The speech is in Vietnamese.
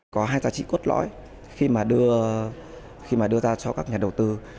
có hai giá trị cốt lõi khi mà đưa ra cho các nhà đầu tư